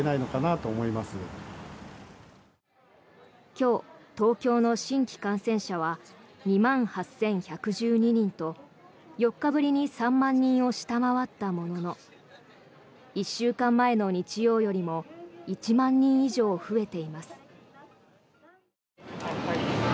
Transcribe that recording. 今日、東京の新規感染者は２万８１１２人と４日ぶりに３万人を下回ったものの１週間前の日曜よりも１万人以上増えています。